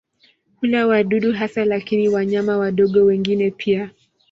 Hula wadudu hasa lakini wanyama wadogo wengine pia.